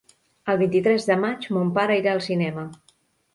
El vint-i-tres de maig mon pare irà al cinema.